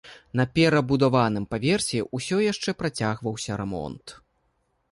На перабудаваным паверсе ўсё яшчэ працягваўся рамонт.